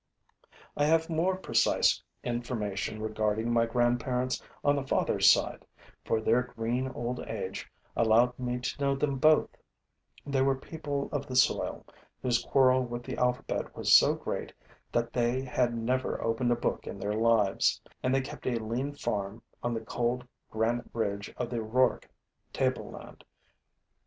I have more precise information regarding my grandparents on the father's side, for their green old age allowed me to know them both. They were people of the soil, whose quarrel with the alphabet was so great that they had never opened a book in their lives; and they kept a lean farm on the cold granite ridge of the Rouergue tableland.